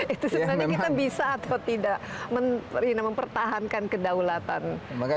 itu sebenarnya kita bisa atau tidak mempertahankan kedaulatan negara